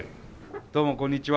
どうもこんにちは。